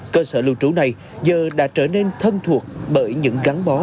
cơ sở lưu trú này giờ đã trở nên thân thuộc bởi những gắn bó